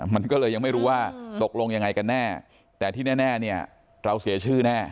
มันก็เลยยังไม่รู้ว่าตกลงยังไงกันแน่แต่ที่แน่เนี่ยเราเสียชื่อแน่